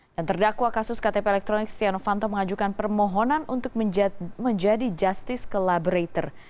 dan terdakwa kasus ktp elektronik stiano fanto mengajukan permohonan untuk menjadi justice collaborator